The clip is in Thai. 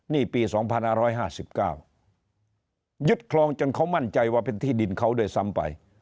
นี่ปี๒๕๕๙ยึดคลองจนเขามั่นใจว่าเป็นที่ดินเขาด้วยซ้ำไป